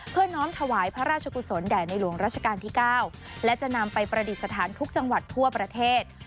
น้อมถวายพระราชกุศลแด่ในหลวงราชการที่๙และจะนำไปประดิษฐานทุกจังหวัดทั่วประเทศ